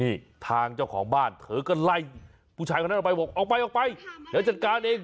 นี่ทางเจ้าของบ้านเธอก็ไล่ผู้ชายคนนั้นออกไปบอกออกไปออกไปเดี๋ยวจัดการเอง